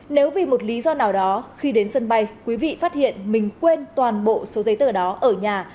nếu vì một lý do nào đó khi đến sân bay quý vị phát hiện mình quên toàn bộ số giấy tờ đó ở nhà